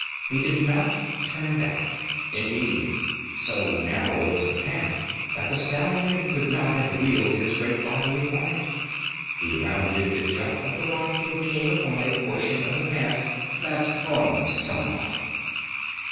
He did not turn back. Indeed, so narrow was the path that the stallion could not have wheeled his great body upon it. He rounded the jut of the rock and came upon a portion of the path that broadened somewhat.